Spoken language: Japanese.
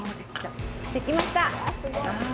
できました！